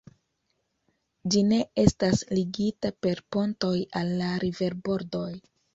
Ĝi ne estas ligita per pontoj al la riverbordoj.